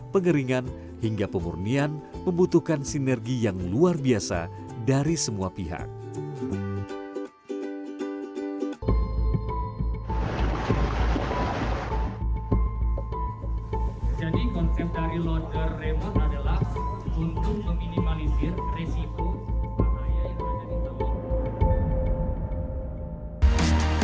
pengeringan hingga pemurnian membutuhkan sinergi yang luar biasa dari semua pihak